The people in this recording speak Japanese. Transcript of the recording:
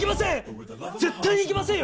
絶対行きません！